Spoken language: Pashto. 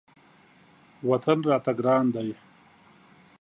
وطن راته ګران دی.